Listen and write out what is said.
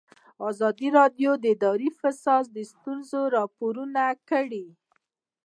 ازادي راډیو د اداري فساد ستونزې راپور کړي.